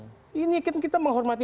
setara ini kita menghormati